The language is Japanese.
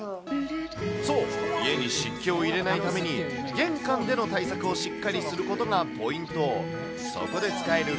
そう、家に湿気を入れないために、玄関での対策をしっかりすることがポイント。